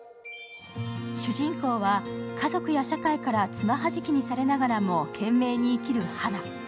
主人公は家族や社会に爪弾きにされながらも懸命に生きる花。